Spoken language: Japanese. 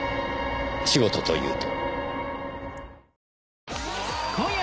仕事というと？